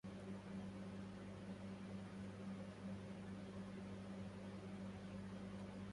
عليّ أن أنهي تزيين الكعكة.